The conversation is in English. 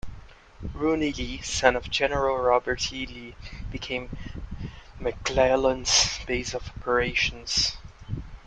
"Rooney" Lee, son of General Robert E. Lee, became McClellan's base of operations.